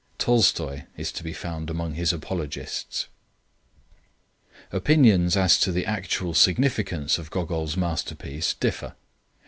Tolstoi is to be found among his apologists. Opinions as to the actual significance of Gogol's masterpiece differ.